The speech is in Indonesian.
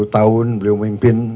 sepuluh tahun beliau memimpin